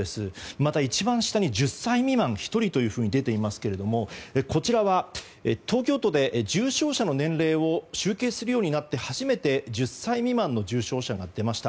また一番下に１０歳未満１人というふうに出ていますがこちらは東京都で重症者の年齢を集計するようになって初めて１０歳未満の重症者が出ました。